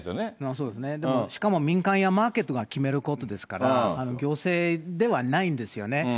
そうですね、しかも民間やマーケットが決めることですから、行政ではないんですよね。